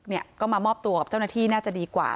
เนี่ยก็มามอบตัวกับเจ้าหน้าที่น่าจะดีกว่า